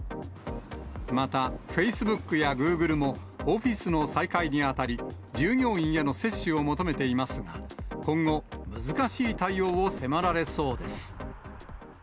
また、フェイスブックやグーグルも、オフィスの再開にあたり、従業員への接種を求めていますが、今後、難しい対応を迫られそうです。